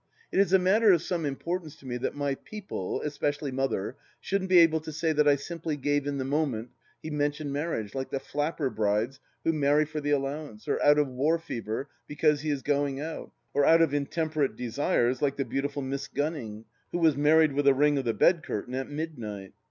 It is a matter of some import ance to me that my people — especially Mother — shouldn't be able to say that I simply gave in the moment he men tioned marriage, like the flapper brides who marry for the allowance ; or out of war fever, because he is going out ; or out of intemperate desires, like the beautiful Miss Gunning, who was married with a ring of the bed curtain at mid night.